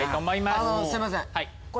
あのすいません。